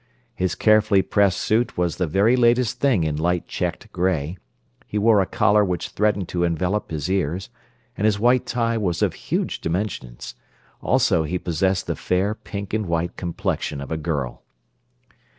His carefully pressed suit was the very latest thing in light checked gray, he wore a collar which threatened to envelope his ears, and his white tie was of huge dimensions. Also he possessed the fair pink and white complexion of a girl.